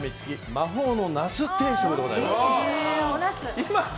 魔法のナス定食でございます。